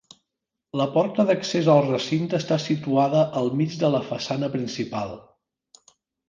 La porta d'accés al recinte està situada al mig de la façana principal.